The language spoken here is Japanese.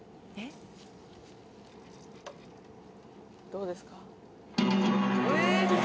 どうですか？